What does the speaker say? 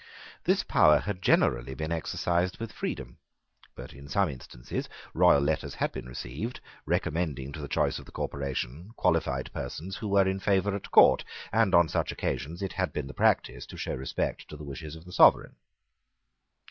This power had generally been exercised with freedom. But in some instances royal letters had been received recommending to the choice of the corporation qualified persons who were in favour at court; and on such occasions it had been the practice to show respect to the wishes of the sovereign.